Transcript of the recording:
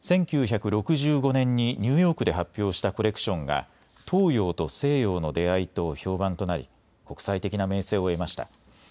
１９６５年にニューヨークで発表したコレクションが東洋と西洋の出会いと評判となり国際的な名声を得ました。